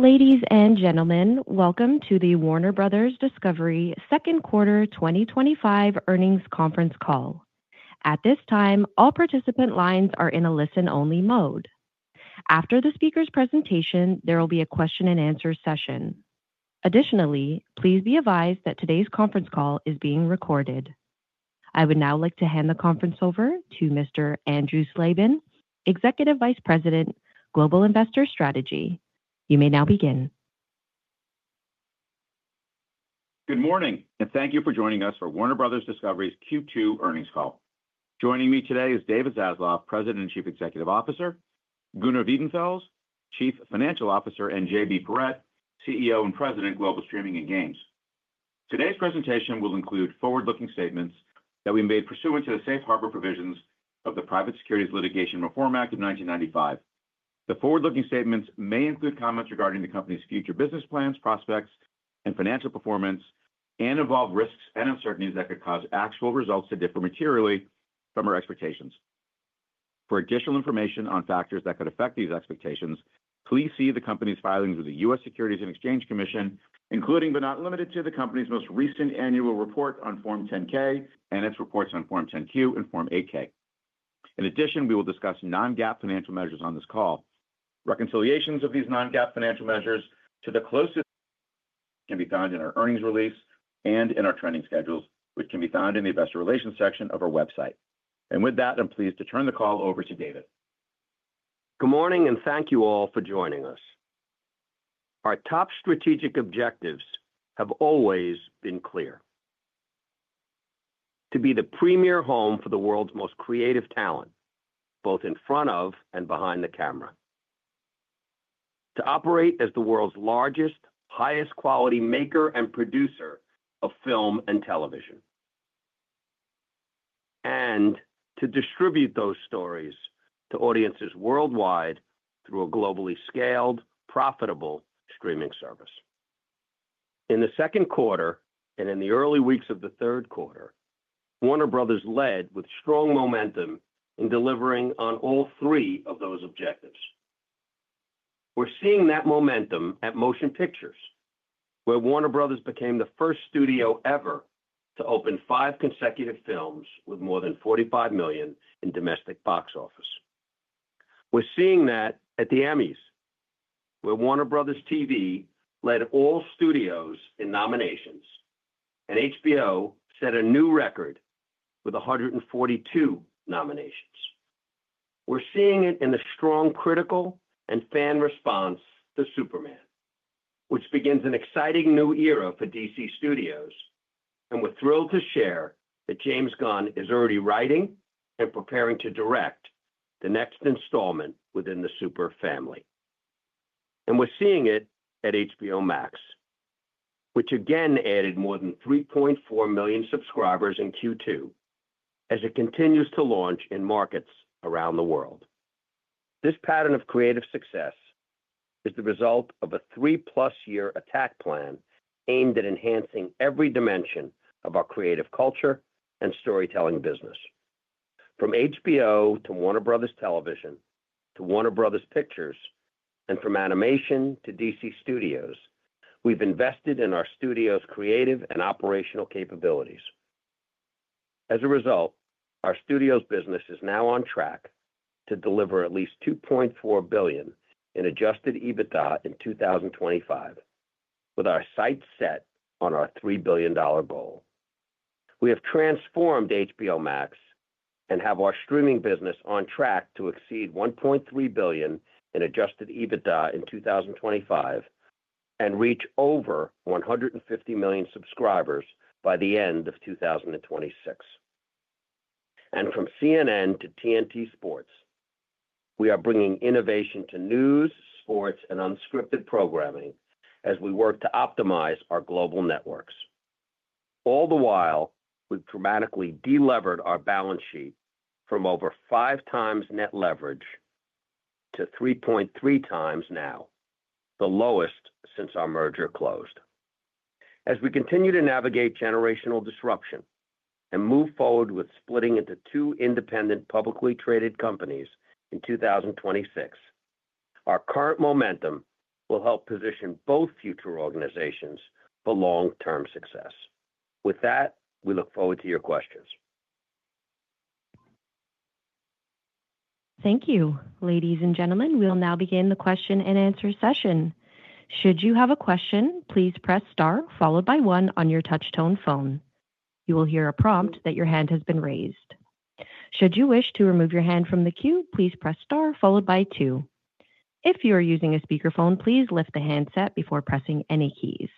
Ladies and gentlemen, welcome to the Warner Bros. Discovery Second Quarter 2025 earnings conference call. At this time, all participant lines are in a listen-only mode. After the speaker's presentation, there will be a question-and-answer session. Additionally, please be advised that today's conference call is being recorded. I would now like to hand the conference over to Mr. Andrew Slabin, Executive Vice President, Global Investor Strategy. You may now begin. Good morning and thank you for joining us for Warner Bros. Discovery's Q2 earnings call. Joining me today is David Zaslav, President and Chief Executive Officer, Gunnar Wiedenfels, Chief Financial Officer, and JB Perrette, CEO and President, Global Streaming and Games. Today's presentation will include forward-looking statements that we made pursuant to the Safe Harbor provisions of the Private Securities Litigation Reform Act of 1995. The forward-looking statements may include comments regarding the company's future business plans, prospects, and financial performance, and involve risks and uncertainties that could cause actual results to differ materially from our expectations. For additional information on factors that could affect these expectations, please see the company's filings with the U.S. Securities and Exchange Commission, including but not limited to the company's most recent annual report on Form 10-K and its reports on Form 10-Q and Form 8-K. In addition, we will discuss non-GAAP financial measures on this call. Reconciliations of these non-GAAP financial measures to the closest can be found in our earnings release and in our trending schedules, which can be found in the Investor Relations section of our website. With that, I'm pleased to turn the call over to David. Good morning and thank you all for joining us. Our top strategic objectives have always been clear: to be the premier home for the world's most creative talent, both in front of and behind the camera, to operate as the world's largest, highest-quality maker and producer of film and television, and to distribute those stories to audiences worldwide through a globally scaled, profitable streaming service. In the second quarter and in the early weeks of the third quarter, Warner Bros. led with strong momentum in delivering on all three of those objectives. We're seeing that momentum at Motion Pictures, where Warner Bros. became the first studio ever to open five consecutive films with more than $45 million in domestic box office. We're seeing that at the Emmys, where Warner Bros. TV led all studios in nominations, and HBO set a new record with 142 nominations. We're seeing it in the strong critical and fan response to Superman, which begins an exciting new era for DC Studios, and we're thrilled to share that James Gunn is already writing and preparing to direct the next installment within the Super family. We're seeing it at HBO Max, which again added more than 3.4 million subscribers in Q2 as it continues to launch in markets around the world. This pattern of creative success is the result of a three-plus-year attack plan aimed at enhancing every dimension of our creative culture and storytelling business. From HBO to Warner Bros. Television to Warner Bros. Pictures, and from animation to DC Studios, we've invested in our studio's creative and operational capabilities. As a result, our studio's business is now on track to deliver at least $2.4 billion in Adjusted EBITDA in 2025, with our sights set on our $3 billion goal. We have transformed HBO Max and have our streaming business on track to exceed $1.3 billion in Adjusted EBITDA in 2025 and reach over 150 million subscribers by the end of 2026. From CNN to TNT Sports, we are bringing innovation to news, sports, and unscripted programming as we work to optimize our global networks. All the while, we've dramatically delevered our balance sheet from over five times net leverage to 3.3 times now, the lowest since our merger closed. As we continue to navigate generational disruption and move forward with splitting into two independent, publicly traded companies in 2026, our current momentum will help position both future organizations for long-term success. With that, we look forward to your questions. Thank you, ladies and gentlemen. We'll now begin the question-and-answer session. Should you have a question, please press star followed by one on your touch-tone phone. You will hear a prompt that your hand has been raised. Should you wish to remove your hand from the queue, please press star followed by two. If you are using a speakerphone, please lift the handset before pressing any keys.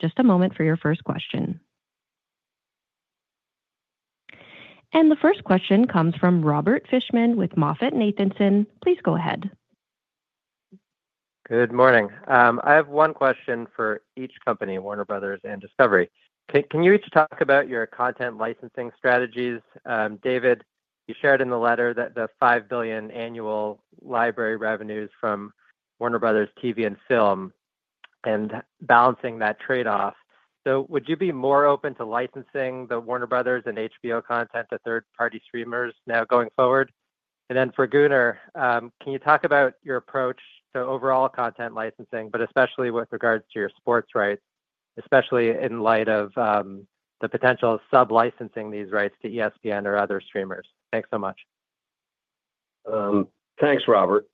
Just a moment for your first question. The first question comes from Robert Fishman with MoffettNathanson. Please go ahead. Good morning. I have one question for each company, Warner Bros. and Discovery. Can you each talk about your content licensing strategies? David, you shared in the letter that the $5 billion annual library revenues from Warner Bros. TV and Film and balancing that trade-off. Would you be more open to licensing the Warner Bros. and HBO content to third-party streamers now going forward? For Gunnar, can you talk about your approach to overall content licensing, especially with regards to your sports rights, especially in light of the potential of sub-licensing these rights to ESPN or other streamers? Thanks so much. Thanks, Robert.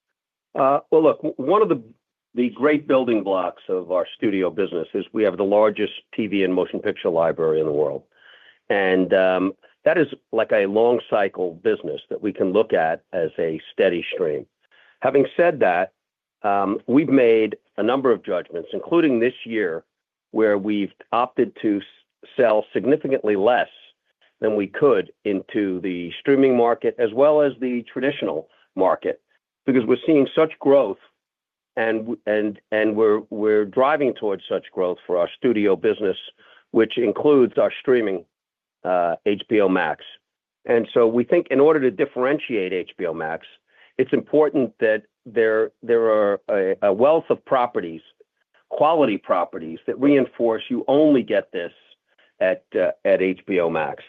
One of the great building blocks of our studio business is we have the largest TV and motion picture library in the world. That is like a long-cycle business that we can look at as a steady stream. Having said that, we've made a number of judgments, including this year, where we've opted to sell significantly less than we could into the streaming market, as well as the traditional market, because we're seeing such growth and we're driving towards such growth for our studio business, which includes our streaming, HBO Max. We think in order to differentiate HBO Max, it's important that there are a wealth of properties, quality properties that reinforce you only get this at HBO Max.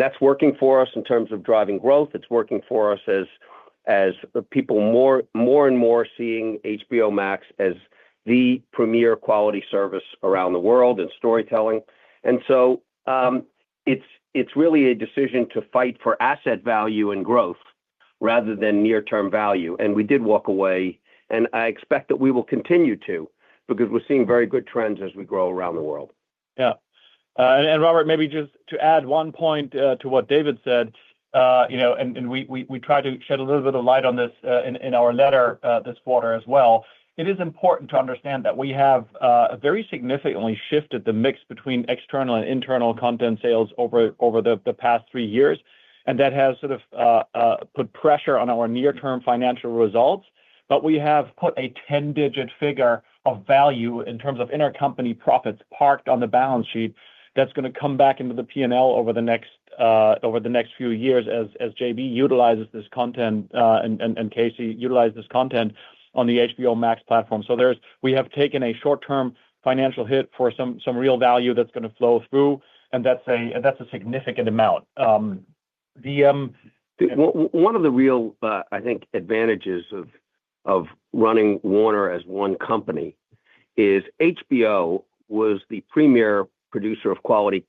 That's working for us in terms of driving growth. It's working for us as people more and more seeing HBO Max as the premier quality service around the world in storytelling. It's really a decision to fight for asset value and growth rather than near-term value. We did walk away, and I expect that we will continue to because we're seeing very good trends as we grow around the world. Yeah. Robert, maybe just to add one point to what David said, you know, we tried to shed a little bit of light on this in our letter this quarter as well. It is important to understand that we have very significantly shifted the mix between external and internal content sales over the past three years, and that has sort of put pressure on our near-term financial results. We have put a 10-digit figure of value in terms of intercompany profits parked on the balance sheet that's going to come back into the P&L over the next few years as JB utilizes this content and Casey utilizes this content on the HBO Max platform. We have taken a short-term financial hit for some real value that's going to flow through, and that's a significant amount. One of the real, I think, advantages of running Warner Bros. as one company is HBO was the premier producer of quality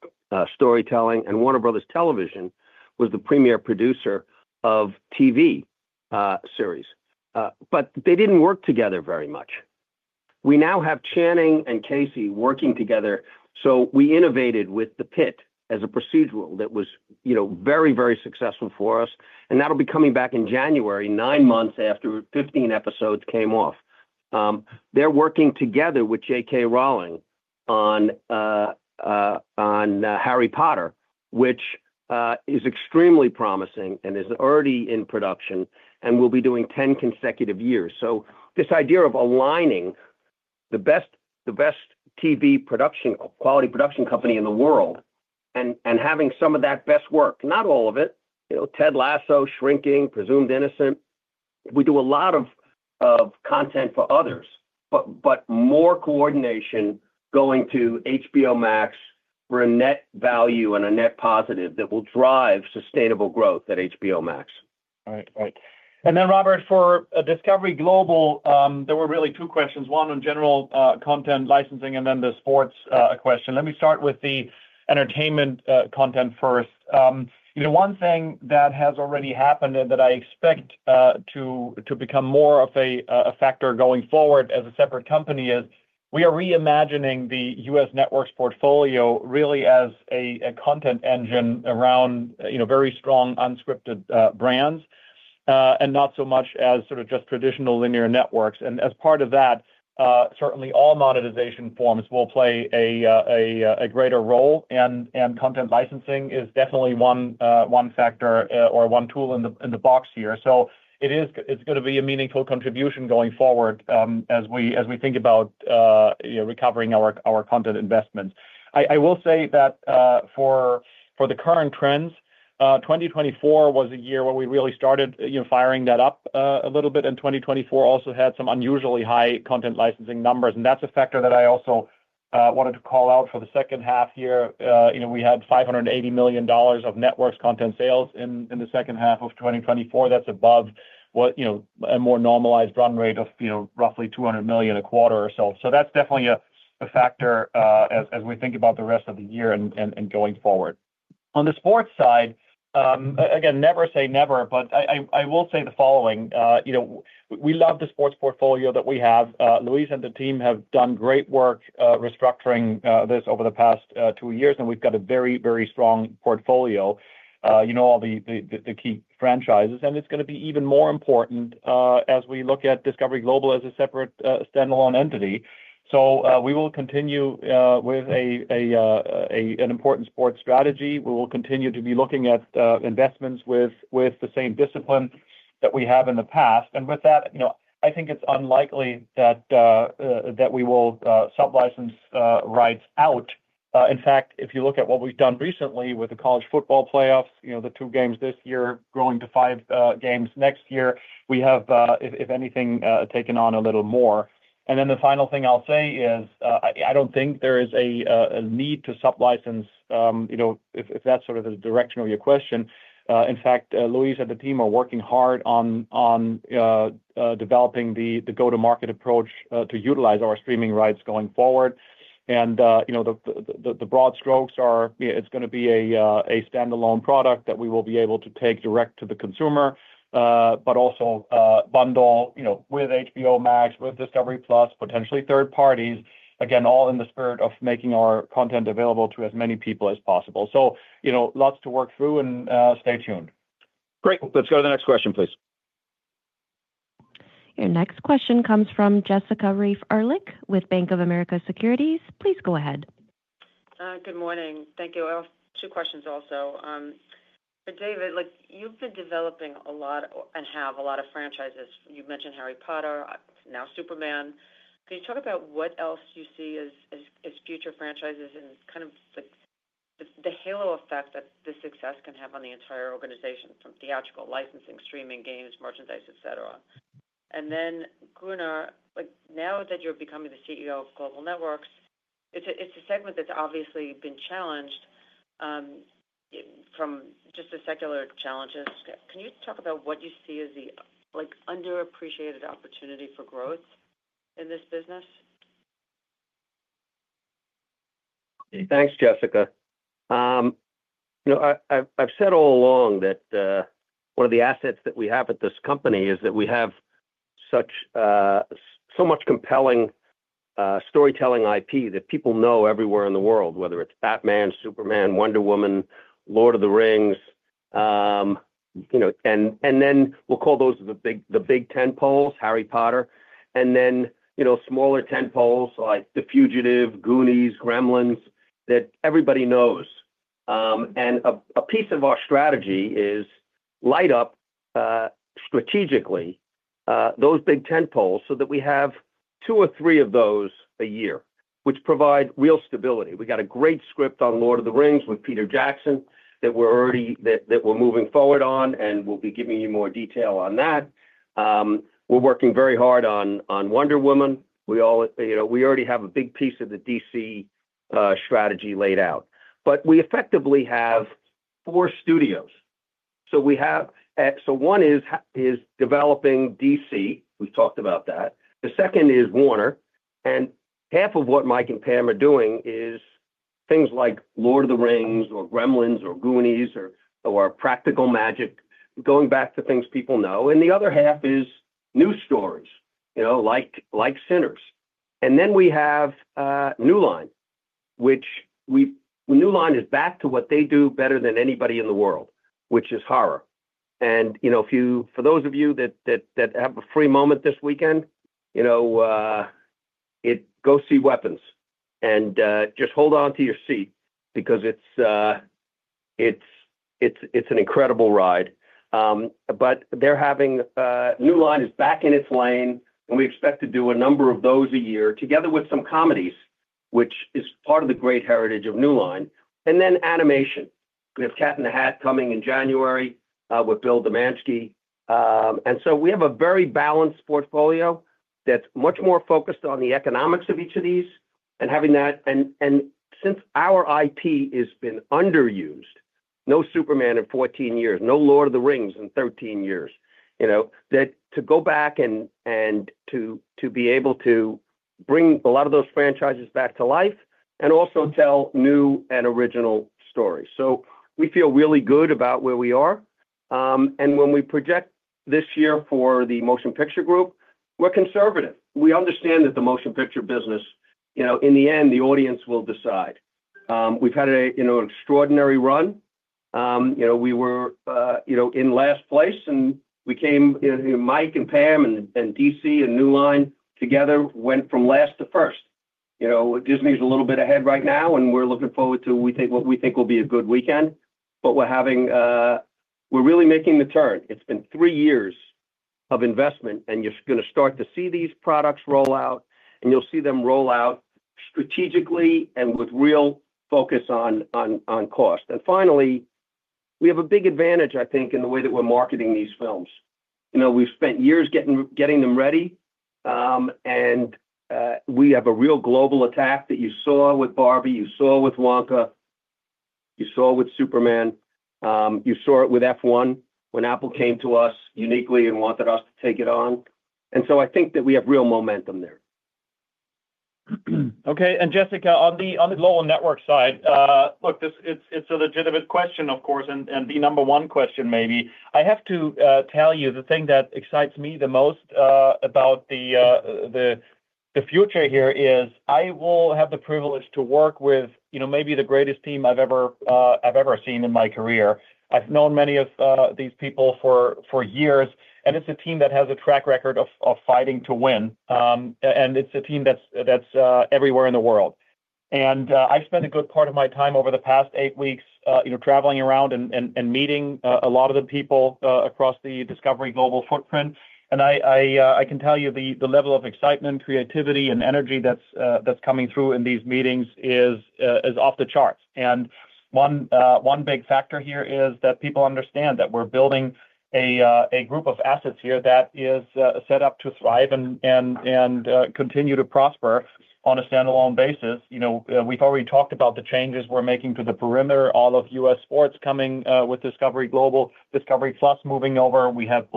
storytelling, and Warner Bros. Television was the premier producer of TV series. They didn't work together very much. We now have Channing and Casey working together. We innovated with The Pit as a procedural that was very, very successful for us. That'll be coming back in January, nine months after 15 episodes came off. They're working together with J.K. Rowling on Harry Potter, which is extremely promising and is already in production and will be doing 10 consecutive years. This idea of aligning the best TV production, quality production company in the world, and having some of that best work, not all of it, Ted Lasso, Shrinking, Presumed Innocent, we do a lot of content for others, but more coordination going to HBO Max for a net value and a net positive that will drive sustainable growth at HBO Max. Right, right. Robert, for Discovery Global, there were really two questions, one on general content licensing and then the sports question. Let me start with the entertainment content first. One thing that has already happened and that I expect to become more of a factor going forward as a separate company is we are reimagining the U.S. network's portfolio really as a content engine around very strong unscripted brands and not so much as just traditional linear networks. As part of that, certainly all monetization forms will play a greater role, and content licensing is definitely one factor or one tool in the box here. It is going to be a meaningful contribution going forward as we think about recovering our content investments. I will say that for the current trends, 2024 was a year where we really started firing that up a little bit, and 2024 also had some unusually high content licensing numbers. That is a factor that I also wanted to call out for the second half here. We had $580 million of networks content sales in the second half of 2024. That is above a more normalized run rate of roughly $200 million a quarter or so. That is definitely a factor as we think about the rest of the year and going forward. On the sports side, never say never, but I will say the following. We love the sports portfolio that we have. Luis and the team have done great work restructuring this over the past two years, and we have got a very, very strong portfolio, all the key franchises. It is going to be even more important as we look at Discovery Global as a separate standalone entity. We will continue with an important sports strategy. We will continue to be looking at investments with the same discipline that we have in the past. With that, I think it is unlikely that we will sub-license rights out. In fact, if you look at what we have done recently with the college football playoffs, the two games this year growing to five games next year, we have, if anything, taken on a little more. The final thing I will say is I do not think there is a need to sub-license, if that is the direction of your question. In fact, Luis and the team are working hard on developing the go-to-market approach to utilize our streaming rights going forward. The broad strokes are it is going to be a standalone product that we will be able to take direct to the consumer, but also bundle with HBO Max, with Discovery+, potentially third parties, all in the spirit of making our content available to as many people as possible. Lots to work through and stay tuned. Great. Let's go to the next question, please. Your next question comes from Jessica Reif-Ehrlich with Bank of America Securities. Please go ahead. Good morning. Thank you. Two questions also. For David, you've been developing a lot and have a lot of franchises. You mentioned Harry Potter, now Superman. Can you talk about what else you see as future franchises and kind of the halo effect that this success can have on the entire organization, from theatrical, licensing, streaming, games, merchandise, etc.? Gunnar, now that you're becoming the CEO of Global Networks, it's a segment that's obviously been challenged from just the secular challenges. Can you talk about what you see as the underappreciated opportunity for growth in this business? Thanks, Jessica. I've said all along that one of the assets that we have at this company is that we have so much compelling storytelling IP that people know everywhere in the world, whether it's Batman, Superman, Wonder Woman, Lord of the Rings. We'll call those the big tentpoles: Harry Potter, and then smaller tentpoles like The Fugitive, Goonies, Gremlins that everybody knows. A piece of our strategy is to light up strategically those big tentpoles so that we have two or three of those a year, which provide real stability. We got a great script on Lord of the Rings with Peter Jackson that we're already moving forward on, and we'll be giving you more detail on that. We're working very hard on Wonder Woman. We already have a big piece of the DC Studios strategy laid out. We effectively have four studios. One is developing DC Studios. We've talked about that. The second is Warner Half of what Mike and Pam are doing is things like Lord of the Rings or Gremlins or Goonies or Practical Magic, going back to things people know. The other half is new stories, you know, like Sinners. We have New Line, which New Line is back to what they do better than anybody in the world, which is horror. For those of you that have a free moment this weekend, go see Weapons and just hold on to your seat because it's an incredible ride. New Line is back in its lane, and we expect to do a number of those a year, together with some comedies, which is part of the great heritage of New Line. Animation, we have Cat in the Hat coming in January with Bill Damaschke. We have a very balanced portfolio that's much more focused on the economics of each of these and having that. Since our IP has been underused, no Superman in 14 years, no Lord of the Rings in 13 years, to go back and to be able to bring a lot of those franchises back to life and also tell new and original stories. We feel really good about where we are. When we project this year for the Motion Picture Group, we're conservative. We understand that the motion picture business, in the end, the audience will decide. We've had an extraordinary run. We were in last place, and we came, Mike and Pam and DC and New Line together went from last to first. Disney's a little bit ahead right now, and we're looking forward to what we think will be a good weekend. We're really making the turn. It's been three years of investment, and you're going to start to see these products roll out, and you'll see them roll out strategically and with real focus on cost. Finally, we have a big advantage, I think, in the way that we're marketing these films. We've spent years getting them ready, and we have a real global attack that you saw with Barbie, you saw with Wonka, you saw with Superman, you saw it with F1 when Apple came to us uniquely and wanted us to take it on. I think that we have real momentum there. Okay. Jessica, on the global network side, it's a legitimate question, of course, and the number one question, maybe. I have to tell you the thing that excites me the most about the future here is I will have the privilege to work with maybe the greatest team I've ever seen in my career. I've known many of these people for years, and it's a team that has a track record of fighting to win. It's a team that's everywhere in the world. I've spent a good part of my time over the past eight weeks traveling around and meeting a lot of the people across the Discovery Global footprint. I can tell you the level of excitement, creativity, and energy that's coming through in these meetings is off the charts. One big factor here is that people understand that we're building a group of assets here that is set up to thrive and continue to prosper on a standalone basis. We've already talked about the changes we're making to the perimeter, all of U.S. sports coming with Discovery Global, Discovery+ moving over. We have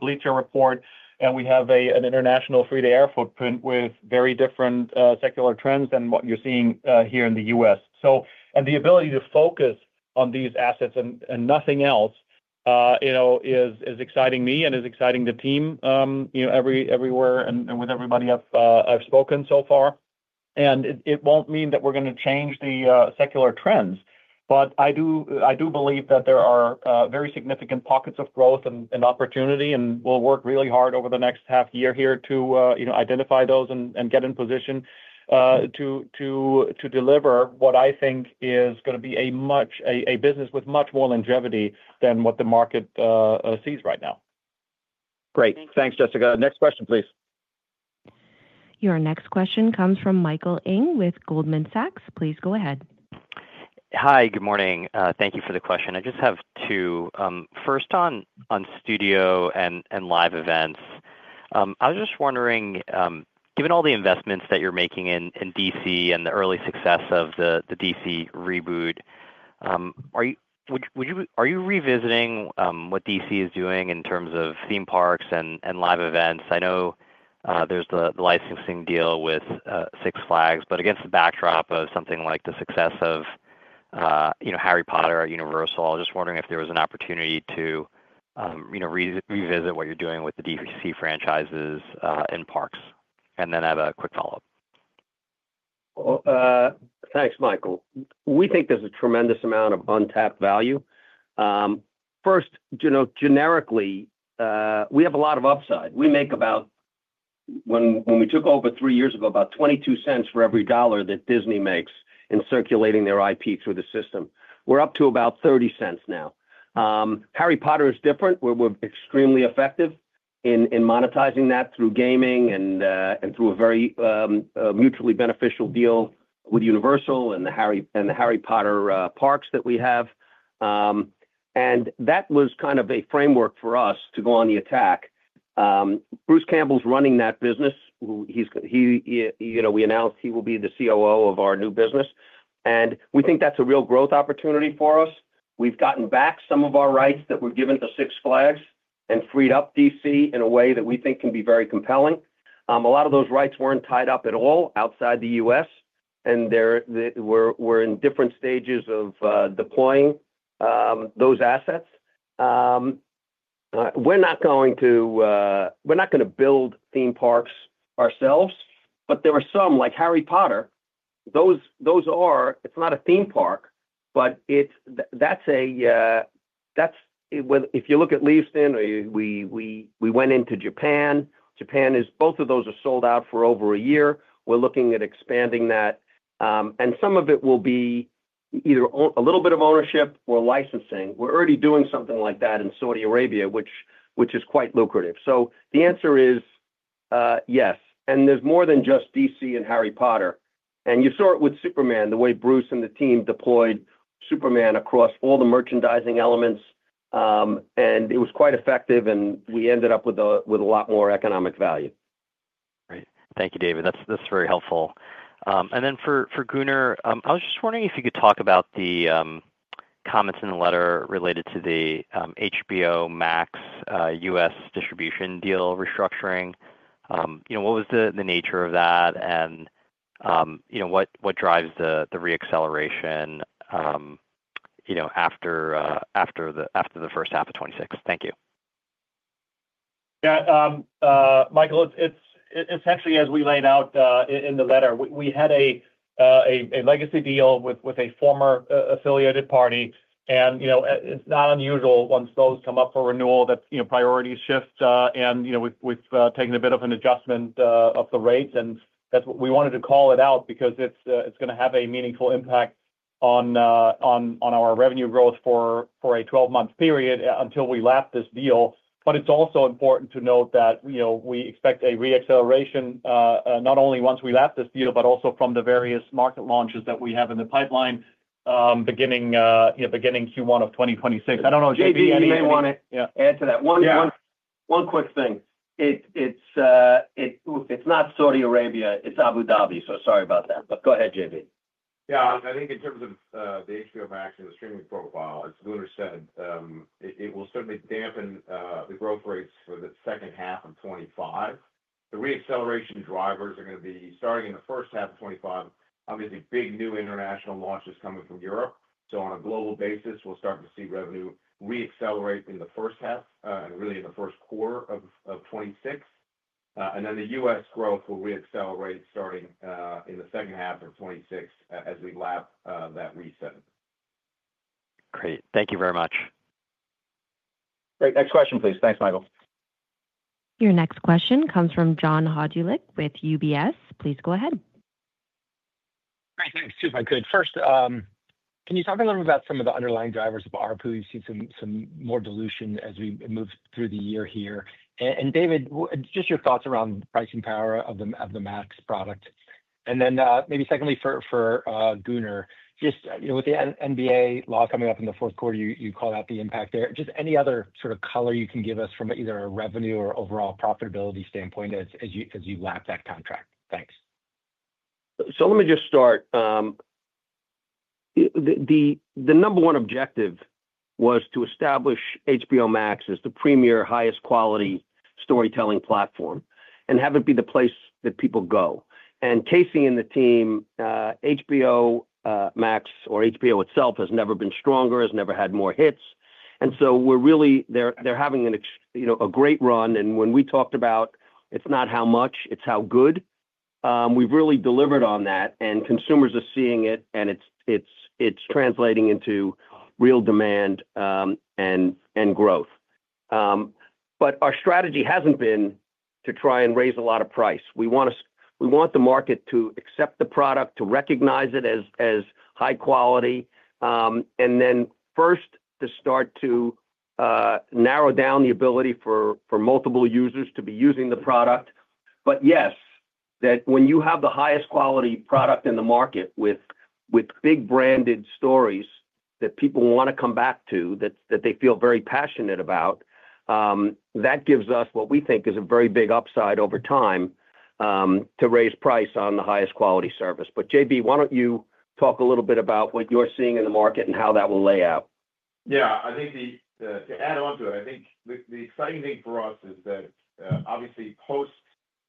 Bleacher Report, and we have an international free-to-air footprint with very different secular trends than what you're seeing here in the U.S. The ability to focus on these assets and nothing else is exciting me and is exciting the team everywhere and with everybody I've spoken so far. It won't mean that we're going to change the secular trends, but I do believe that there are very significant pockets of growth and opportunity, and we'll work really hard over the next half year here to identify those and get in position to deliver what I think is going to be a business with much more longevity than what the market sees right now. Great. Thanks, Jessica. Next question, please. Your next question comes from Michael Ng with Goldman Sachs. Please go ahead. Hi, good morning. Thank you for the question. I just have two. First, on studio and live events, I was just wondering, given all the investments that you're making in DC and the early success of the DC reboot, are you revisiting what DC is doing in terms of theme parks and live events? I know there's the licensing deal with Six Flags, but against the backdrop of something like the success of Harry Potter at Universal, I was just wondering if there was an opportunity to revisit what you're doing with the DC franchises and parks and then have a quick follow-up. Thanks, Michael. We think there's a tremendous amount of untapped value. First, generically, we have a lot of upside. We make about, when we took over three years ago, about $0.22 for every dollar that Disney makes in circulating their IP through the system. We're up to about $0.30 now. Harry Potter is different. We're extremely effective in monetizing that through gaming and through a very mutually beneficial deal with Universal and the Harry Potter parks that we have. That was kind of a framework for us to go on the attack. Bruce Campbell's running that business. We announced he will be the COO of our new business, and we think that's a real growth opportunity for us. We've gotten back some of our rights that were given to Six Flags and freed up DC in a way that we think can be very compelling. A lot of those rights weren't tied up at all outside the U.S., and we're in different stages of deploying those assets. We're not going to build theme parks ourselves, but there were some, like Harry Potter. It's not a theme park, but if you look at Leavesden, we went into Japan. Both of those are sold out for over a year. We're looking at expanding that. Some of it will be either a little bit of ownership or licensing. We're already doing something like that in Saudi Arabia, which is quite lucrative. The answer is yes. There's more than just DC and Harry Potter. You saw it with Superman, the way Bruce and the team deployed Superman across all the merchandising elements. It was quite effective, and we ended up with a lot more economic value. Right. Thank you, David. That's very helpful. For Gunnar, I was just wondering if you could talk about the comments in the letter related to the HBO Max U.S. distribution deal restructuring. What was the nature of that, and what drives the re-acceleration after the first half of 2026? Thank you. Yeah. Michael, it's essentially, as we laid out in the letter, we had a legacy deal with a former affiliated party. It's not unusual once those come up for renewal that priorities shift. We've taken a bit of an adjustment of the rates. That's what we wanted to call it out because it's going to have a meaningful impact on our revenue growth for a 12-month period until we lapse this deal. It's also important to note that we expect a re-acceleration not only once we lapse this deal, but also from the various market launches that we have in the pipeline beginning Q1 of 2026. I don't know if JB, anything. David, may I want to add to that? Yeah. One quick thing. It's not Saudi Arabia. It's Abu Dhabi. Sorry about that. Go ahead, JB. Yeah. I think in terms of the HBO Max and the streaming profile, as Gunnar said, it will certainly dampen the growth rates for the second half of 2025. The re-acceleration drivers are going to be starting in the first half of 2025. Obviously, big new international launches coming from Europe. On a global basis, we'll start to see revenue re-accelerate in the first half and really in the first quarter of 2026. The U.S. growth will re-accelerate starting in the second half of 2026 as we lapse that reset. Great. Thank you very much. Great. Next question, please. Thanks, Michael. Your next question comes from John Hodulik with UBS. Please go ahead. Hi, thanks. If I could, first, can you talk a little bit about some of the underlying drivers of ARPU? We've seen some more dilution as we move through the year here. David, just your thoughts around the pricing power of the Max product. Maybe secondly for Gunnar, just with the NBA law coming up in the fourth quarter, you called out the impact there. Any other sort of color you can give us from either a revenue or overall profitability standpoint as you lapse that contract? Thanks. Let me just start. The number one objective was to establish HBO Max as the premier highest-quality storytelling platform and have it be the place that people go. Casey and the team, HBO Max or HBO itself has never been stronger, has never had more hits. They are having a great run. When we talked about it's not how much, it's how good, we've really delivered on that. Consumers are seeing it, and it's translating into real demand and growth. Our strategy hasn't been to try and raise a lot of price. We want the market to accept the product, to recognize it as high quality, and then first to start to narrow down the ability for multiple users to be using the product. Yes, when you have the highest quality product in the market with big branded stories that people want to come back to, that they feel very passionate about, that gives us what we think is a very big upside over time to raise price on the highest quality service. JB, why don't you talk a little bit about what you're seeing in the market and how that will lay out? Yeah. I think to add on to it, I think the exciting thing for us is that obviously post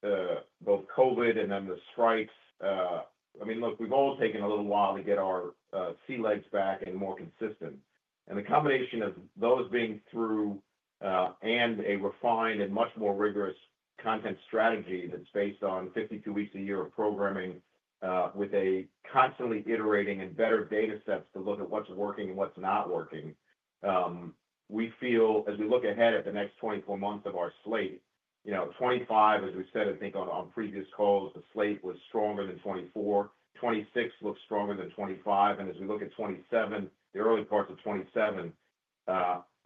both COVID and then the strikes, we've all taken a little while to get our sea legs back and more consistent. The combination of those being through and a refined and much more rigorous content strategy that's based on 52 weeks a year of programming with a constantly iterating and better data sets to look at what's working and what's not working. We feel, as we look ahead at the next 24 months of our slate, 2025, as we said, I think on previous calls, the slate was stronger than 2024. 2026 looks stronger than 2025. As we look at 2027, the early parts of 2027,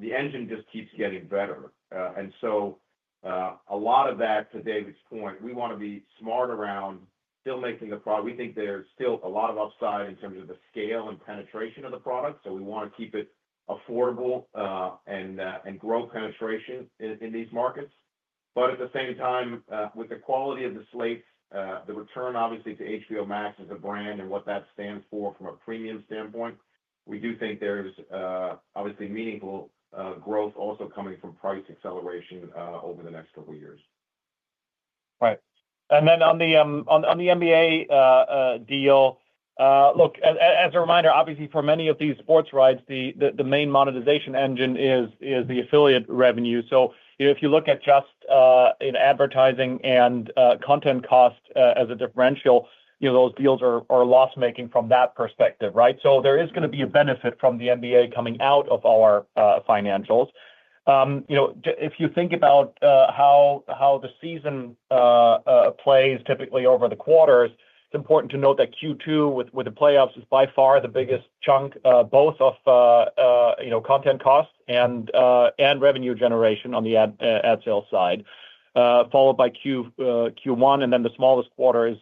the engine just keeps getting better. A lot of that, to David's point, we want to be smart around still making the product. We think there's still a lot of upside in terms of the scale and penetration of the product. We want to keep it affordable and grow penetration in these markets. At the same time, with the quality of the slate, the return obviously to HBO Max as a brand and what that stands for from a premium standpoint, we do think there's obviously meaningful growth also coming from price acceleration over the next couple of years. Right. On the NBA deal, as a reminder, obviously for many of these sports rights, the main monetization engine is the affiliate revenue. If you look at just advertising and content cost as a differential, those deals are loss-making from that perspective, right? There is going to be a benefit from the NBA coming out of our financials. If you think about how the season plays typically over the quarters, it's important to note that Q2 with the playoffs is by far the biggest chunk both of content cost and revenue generation on the ad sales side, followed by Q1. The smallest quarter is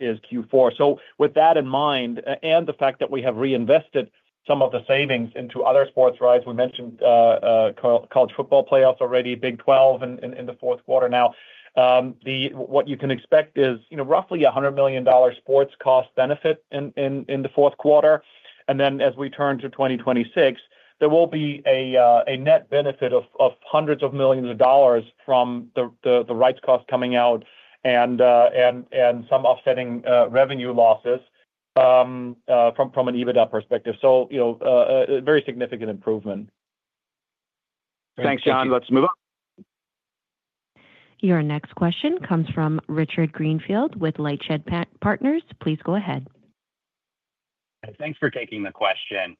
Q4. With that in mind, and the fact that we have reinvested some of the savings into other sports rights, we mentioned college football playoffs already, Big 12, in the fourth quarter now, what you can expect is roughly a $100 million sports cost benefit in the fourth quarter. As we turn to 2026, there will be a net benefit of hundreds of millions of dollars from the rights cost coming out and some offsetting revenue losses from an Adjusted EBITDA perspective. A very significant improvement. Thanks, John. Let's move on. Your next question comes from Richard Greenfield with LightShed Partners. Please go ahead. Thanks for taking the question.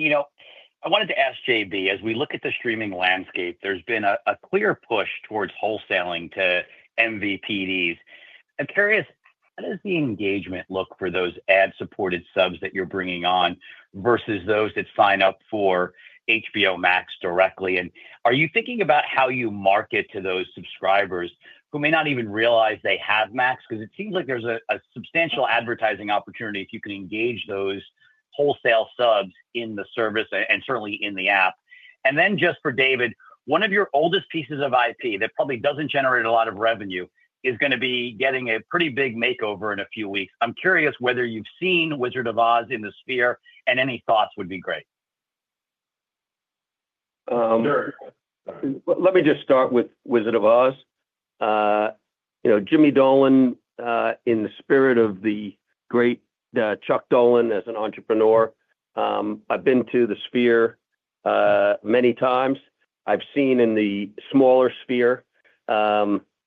I wanted to ask JB, as we look at the streaming landscape, there's been a clear push towards wholesaling to MVPDs. I'm curious, how does the engagement look for those ad-supported subs that you're bringing on versus those that sign up for HBO Max directly? Are you thinking about how you market to those subscribers who may not even realize they have Max? It seems like there's a substantial advertising opportunity if you can engage those wholesale subs in the service and certainly in the app. Just for David, one of your oldest pieces of IP that probably doesn't generate a lot of revenue is going to be getting a pretty big makeover in a few weeks. I'm curious whether you've seen Wizard of Oz in the Sphere and any thoughts would be great. Sure. Let me just start with Wizard of Oz. Jimmy Dolan, in the spirit of the great Chuck Dolan as an entrepreneur, I've been to the Sphere many times. I've seen in the smaller Sphere the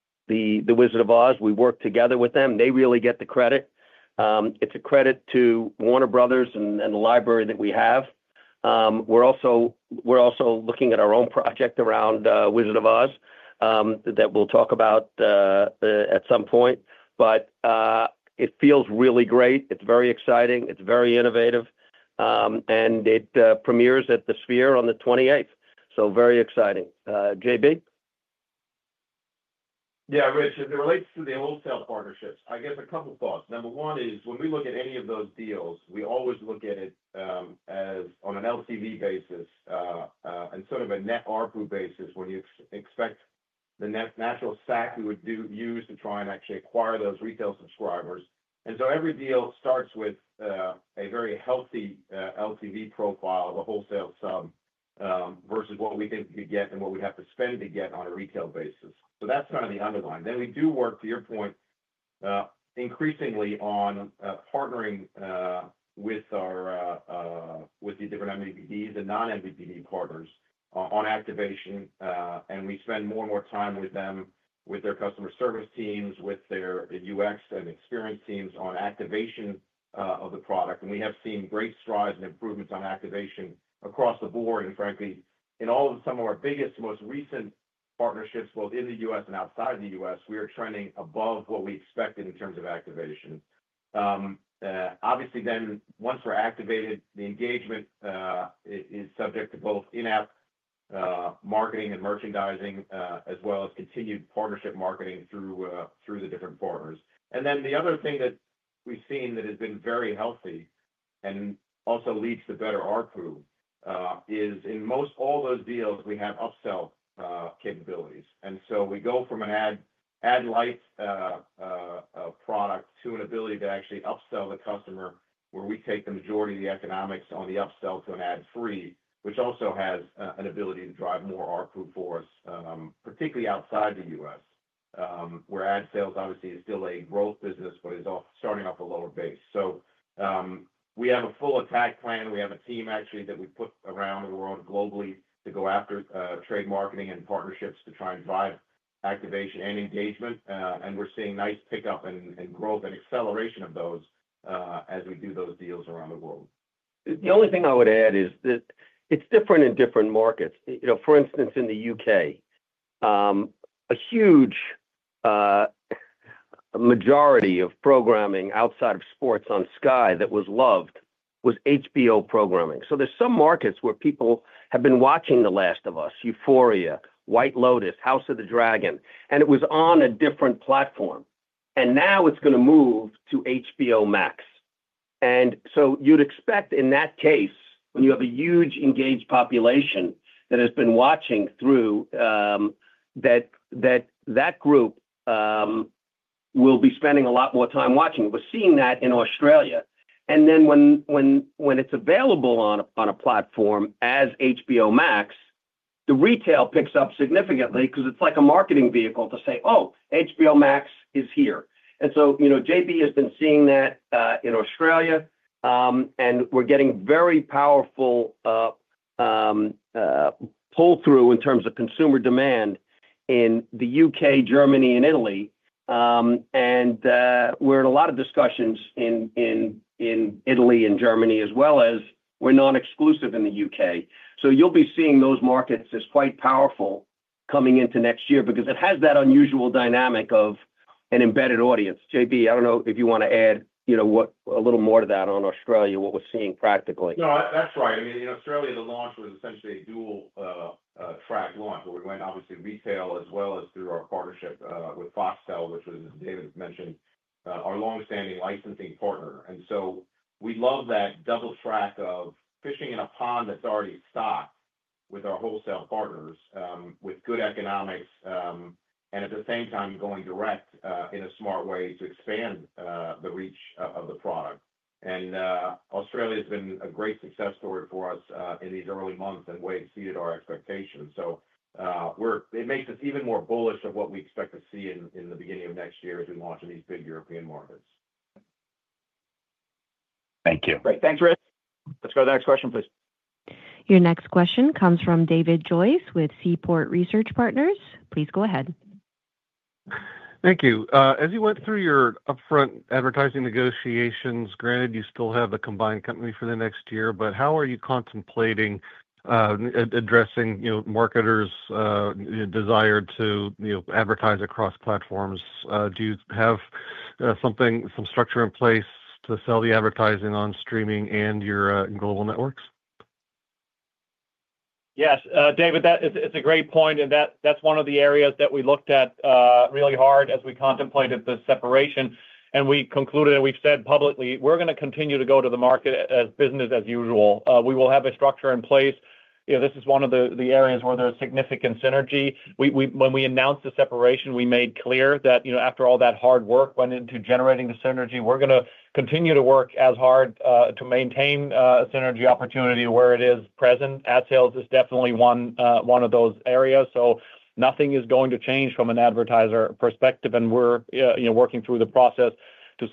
Wizard of Oz. We work together with them. They really get the credit. It's a credit to Warner Bros. and the library that we have. We're also looking at our own project around Wizard of Oz that we'll talk about at some point. It feels really great. It's very exciting. It's very innovative. It premieres at the Sphere on the 28th. Very exciting. JB? Yeah, Rich, as it relates to the wholesale partnerships, I guess a couple of thoughts. Number one is when we look at any of those deals, we always look at it on an LTV basis and sort of a net ARPU basis when you expect the net national stack you would use to try and actually acquire those retail subscribers. Every deal starts with a very healthy LTV profile of the wholesale sub versus what we think we could get and what we'd have to spend to get on a retail basis. That's kind of the underlying. We do work, to your point, increasingly on partnering with the different MVPDs and non-MVPD partners on activation. We spend more and more time with them, with their customer service teams, with their UX and experience teams on activation of the product. We have seen great strides and improvements on activation across the board. Frankly, in all of some of our biggest, most recent partnerships, both in the U.S. and outside the U.S., we are trending above what we expected in terms of activation. Obviously, once we're activated, the engagement is subject to both in-app marketing and merchandising, as well as continued partnership marketing through the different partners. The other thing that we've seen that has been very healthy and also leads to better ARPU is in most all those deals, we have upsell capabilities. We go from an ad-like product to an ability to actually upsell the customer where we take the majority of the economics on the upsell to an ad-free, which also has an ability to drive more ARPU for us, particularly outside the U.S., where ad sales obviously is still a growth business, but it's starting off a lower base. We have a full attack plan. We have a team actually that we put around the world globally to go after trade marketing and partnerships to try and drive activation and engagement. We're seeing nice pickup and growth and acceleration of those as we do those deals around the world. The only thing I would add is that it's different in different markets. For instance, in the U.K., a huge majority of programming outside of sports on Sky that was loved was HBO programming. There are some markets where people have been watching The Last of Us, Euphoria, White Lotus, House of the Dragon. It was on a different platform. Now it's going to move to HBO Max. You'd expect in that case, when you have a huge engaged population that has been watching through, that that group will be spending a lot more time watching. We're seeing that in Australia. When it's available on a platform as HBO Max, the retail picks up significantly because it's like a marketing vehicle to say, "Oh, HBO Max is here." JB has been seeing that in Australia. We're getting very powerful pull-through in terms of consumer demand in the U.K., Germany, and Italy. We're in a lot of discussions in Italy and Germany, as well as we're non-exclusive in the U.K. You'll be seeing those markets as quite powerful coming into next year because it has that unusual dynamic of an embedded audience. JB, I don't know if you want to add a little more to that on Australia, what we're seeing practically. No, that's right. I mean, in Australia, the launch was essentially a dual-track launch. We went obviously retail as well as through our partnership with Foxtel, which was, as David mentioned, our longstanding licensing partner. We love that double track of fishing in a pond that's already stocked with our wholesale partners with good economics, and at the same time going direct in a smart way to expand the reach of the product. Australia has been a great success story for us in these early months and way exceeded our expectations. It makes us even more bullish of what we expect to see in the beginning of next year as we launch in these big European markets. Thank you. Great. Thanks, Rich. Let's go to the next question, please. Your next question comes from David Joyce with Seaport Research Partners. Please go ahead. Thank you. As you went through your upfront advertising negotiations, granted you still have the combined company for the next year, how are you contemplating addressing marketers' desire to advertise across platforms? Do you have some structure in place to sell the advertising on streaming and your global networks? Yes. David, it's a great point. That's one of the areas that we looked at really hard as we contemplated the separation. We concluded and we've said publicly, we're going to continue to go to the market as business as usual. We will have a structure in place. This is one of the areas where there's significant synergy. When we announced the separation, we made clear that after all that hard work went into generating the synergy, we're going to continue to work as hard to maintain a synergy opportunity where it is present. Ad sales is definitely one of those areas. Nothing is going to change from an advertiser perspective. We're working through the process to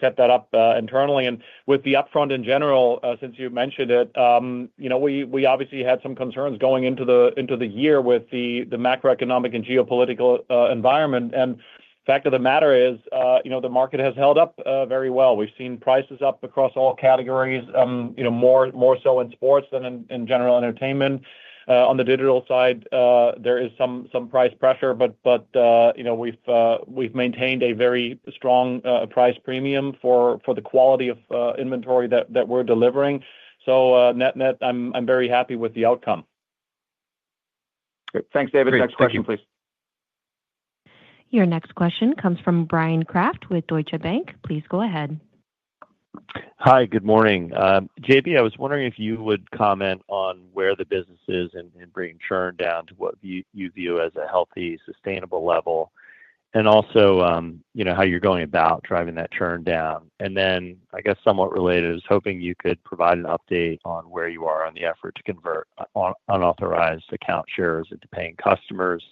set that up internally. With the upfront in general, since you mentioned it, we obviously had some concerns going into the year with the macroeconomic and geopolitical environment. The fact of the matter is the market has held up very well. We've seen prices up across all categories, more so in sports than in general entertainment. On the digital side, there is some price pressure, but we've maintained a very strong price premium for the quality of inventory that we're delivering. Net-net, I'm very happy with the outcome. Thanks, David. Next question, please. Your next question comes from Bryan Kraft with Deutsche Bank. Please go ahead. Hi, good morning. JB, I was wondering if you would comment on where the business is in bringing churn down to what you view as a healthy, sustainable level, and also how you're going about driving that churn down. I guess somewhat related, I was hoping you could provide an update on where you are on the effort to convert unauthorized account shares into paying customers.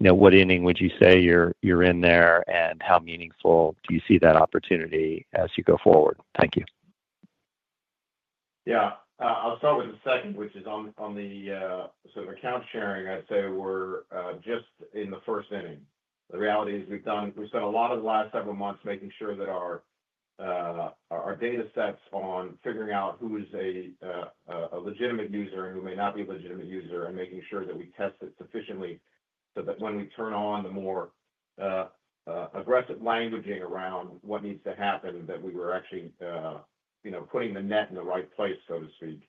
You know, what inning would you say you're in there, and how meaningful do you see that opportunity as you go forward? Thank you. Yeah. I'll start with the second, which is on the sort of account sharing. I'd say we're just in the first inning. The reality is we've spent a lot of the last several months making sure that our data sets on figuring out who is a legitimate user and who may not be a legitimate user and making sure that we test it sufficiently so that when we turn on the more aggressive languaging around what needs to happen, that we were actually putting the net in the right place, so to speak.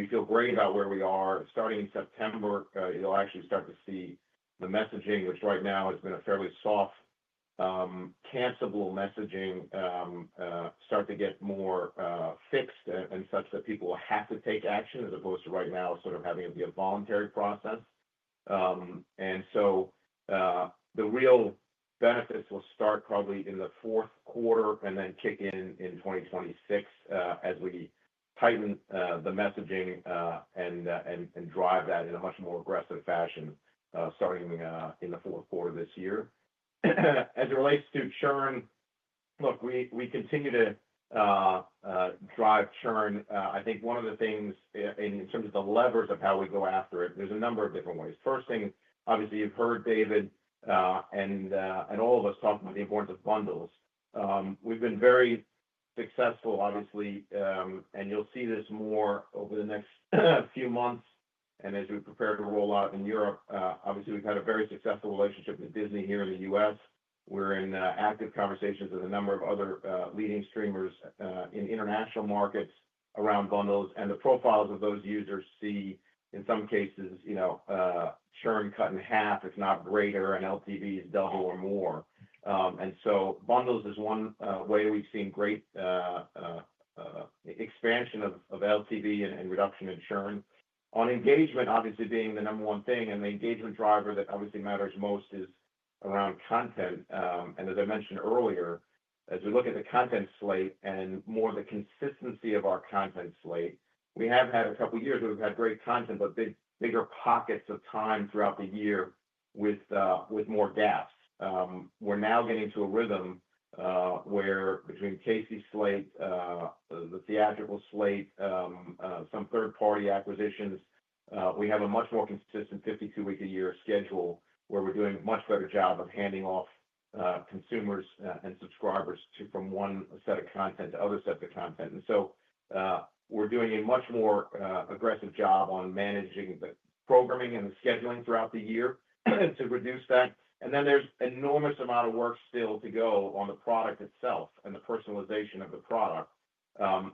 We feel great about where we are. Starting in September, you'll actually start to see the messaging, which right now has been a fairly soft, cancelable messaging, start to get more fixed and such that people will have to take action as opposed to right now sort of having it be a voluntary process. The real benefits will start probably in the fourth quarter and then kick in in 2026 as we tighten the messaging and drive that in a much more aggressive fashion starting in the fourth quarter this year. As it relates to churn, look, we continue to drive churn. I think one of the things in terms of the levers of how we go after it, there's a number of different ways. First thing, obviously, you've heard David and all of us talk about the importance of bundles. We've been very successful, obviously, and you'll see this more over the next few months. As we prepare to roll out in Europe, obviously, we've had a very successful relationship with Disney here in the U.S. We're in active conversations with a number of other leading streamers in international markets around bundles. The profiles of those users see, in some cases, churn cut in half, if not greater, and LTV is double or more. Bundles is one way we've seen great expansion of LTV and reduction in churn. On engagement, obviously, being the number one thing, and the engagement driver that obviously matters most is around content. As I mentioned earlier, as we look at the content slate and more of the consistency of our content slate, we have had a couple of years where we've had great content, but bigger pockets of time throughout the year with more gaps. We're now getting to a rhythm where between Casey's slate, the theatrical slate, some third-party acquisitions, we have a much more consistent 52-week a year schedule where we're doing a much better job of handing off consumers and subscribers from one set of content to other sets of content. We're doing a much more aggressive job on managing the programming and the scheduling throughout the year, but it's to reduce that. There's an enormous amount of work still to go on the product itself and the personalization of the product,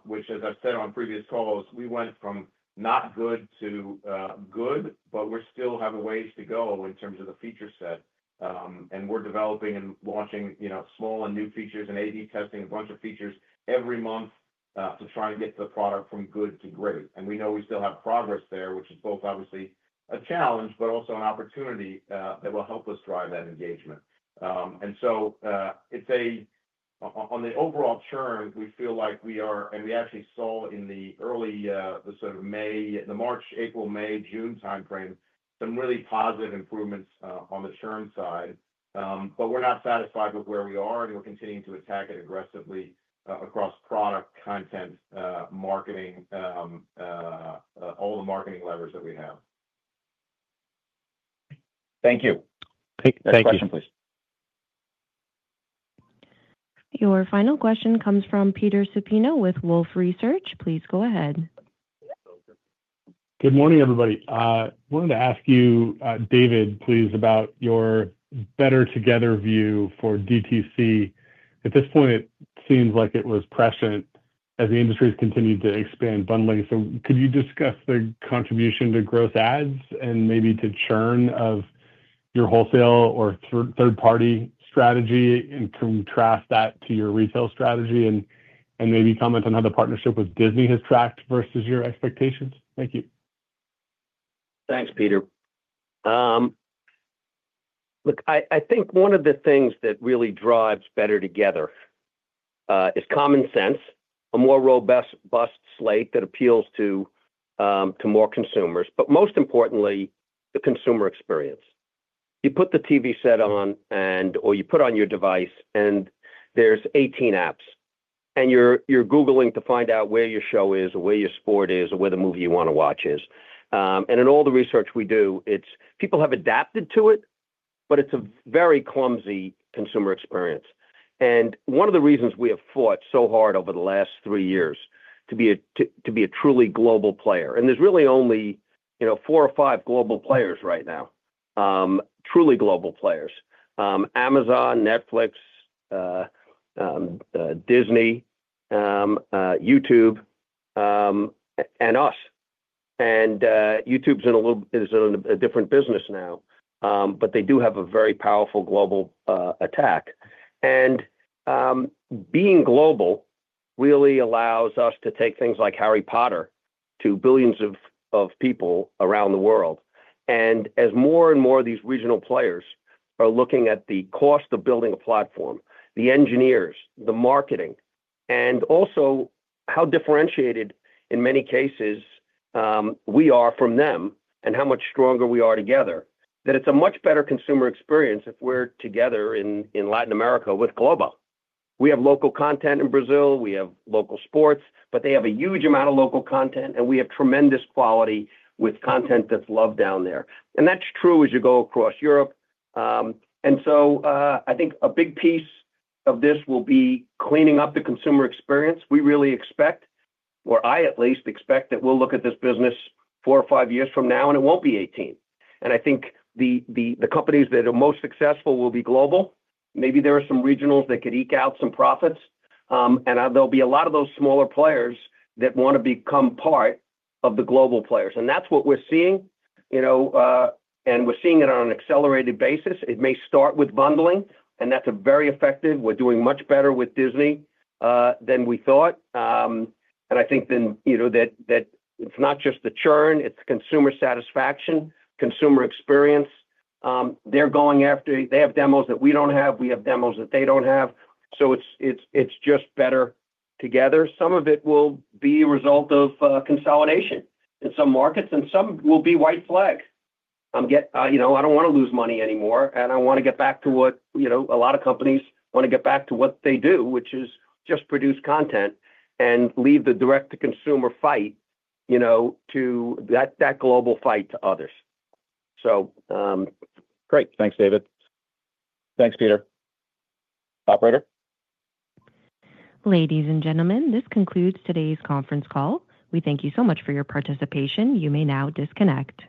which, as I've said on previous calls, we went from not good to good, but we still have a ways to go in terms of the feature set. We're developing and launching small and new features and A/B testing a bunch of features every month to try and get the product from good to great. We know we still have progress there, which is both obviously a challenge, but also an opportunity that will help us drive that engagement. On the overall churn, we feel like we are, and we actually saw in the early sort of May, the March, April, May, June timeframe, some really positive improvements on the churn side. We're not satisfied with where we are, and we're continuing to attack it aggressively across product, content, marketing, all the marketing levers that we have. Thank you. Thank you. Next question, please. Your final question comes from Peter Supino with Wolfe Research. Please go ahead. Good morning, everybody. I wanted to ask you, David, please, about your better-together view for DTC. At this point, it seems like it was prescient as the industry has continued to expand bundling. Could you discuss the contribution to growth ads and maybe to churn of your wholesale or third-party strategy and contrast that to your retail strategy? Maybe comment on how the partnership with Disney has tracked versus your expectations. Thank you. Thanks, Peter. Look, I think one of the things that really drives better together is common sense, a more robust slate that appeals to more consumers, but most importantly, the consumer experience. You put the TV set on, or you put on your device, and there's 18 apps, and you're Googling to find out where your show is or where your sport is or where the movie you want to watch is. In all the research we do, people have adapted to it, but it's a very clumsy consumer experience. One of the reasons we have fought so hard over the last three years to be a truly global player, and there's really only four or five global players right now, truly global players: Amazon, Netflix, Disney, YouTube, and us. YouTube is in a different business now, but they do have a very powerful global attack. Being global really allows us to take things like Harry Potter to billions of people around the world. As more and more of these regional players are looking at the cost of building a platform, the engineers, the marketing, and also how differentiated in many cases we are from them and how much stronger we are together, it's a much better consumer experience if we're together in Latin America with Globo. We have local content in Brazil. We have local sports, but they have a huge amount of local content, and we have tremendous quality with content that's loved down there. That's true as you go across Europe. I think a big piece of this will be cleaning up the consumer experience. We really expect, or I at least expect, that we'll look at this business four or five years from now, and it won't be 18. I think the companies that are most successful will be global. Maybe there are some regionals that could eke out some profits. There'll be a lot of those smaller players that want to become part of the global players. That's what we're seeing. We're seeing it on an accelerated basis. It may start with bundling, and that's very effective. We're doing much better with Disney than we thought. I think that it's not just the churn. It's consumer satisfaction, consumer experience. They're going after it. They have demos that we don't have. We have demos that they don't have. It's just better together. Some of it will be a result of consolidation in some markets, and some will be white flag. I don't want to lose money anymore, and I want to get back to what a lot of companies want to get back to what they do, which is just produce content and leave the direct-to-consumer fight to that global fight to others. Great. Thanks, David. Thanks, Peter. Operator. Ladies and gentlemen, this concludes today's conference call. We thank you so much for your participation. You may now disconnect.